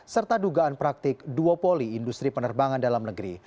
serta dugaan praktik duopoli industri penerbangan dalam negeri